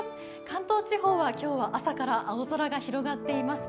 関東地方は今日は朝から青空が広がっています。